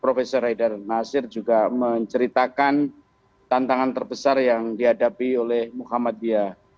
profesor haidar nasir juga menceritakan tantangan terbesar yang dihadapi oleh muhammadiyah